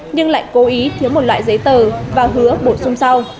nhưng lại cố ý thiếu một loại giấy tờ và hứa bổ sung sau